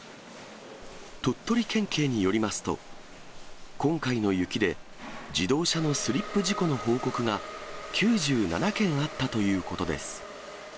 鳥取県警によりますと、今回の雪で、自動車のスリップ事故の報告が９７件あったということです。